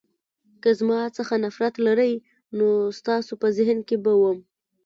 که زما څخه نفرت لرئ نو ستاسو په ذهن کې به وم.